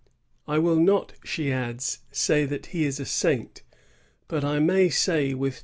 "I will not," she adds, "say that he is a saint; but I may say with roL.